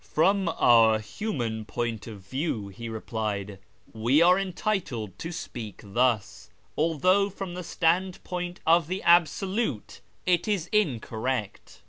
" From our human point of view," he replied, " we are en titled to speak thus, although from the standpoint of the Absolute it is incorrect.